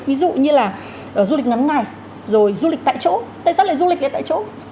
ví dụ như là du lịch ngắn ngày rồi du lịch tại chỗ tại sao lại du lịch tại chỗ